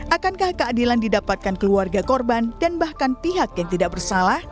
akankah keadilan didapatkan keluarga korban dan bahkan pihak yang tidak bersalah